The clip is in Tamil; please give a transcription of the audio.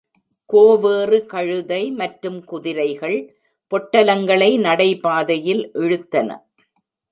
கோவேறு கழுதை மற்றும் குதிரைகள் பொட்டலங்களை நடைபாதையில் இழுத்தன.